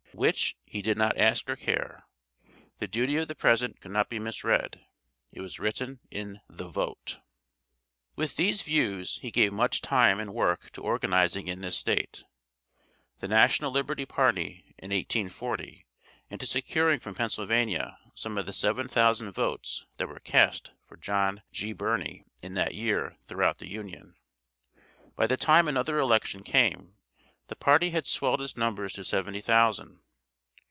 Which, he did not ask or care. The duty of the present could not be mis read; it was written in the vote. With these views, he gave much time and work to organizing in this State, "The National Liberty Party," in 1840, and to securing from Pennsylvania some of the seven thousand votes that were cast for John G. Birney in that year throughout the Union. By the time another election came, the party had swelled its numbers to seventy thousand.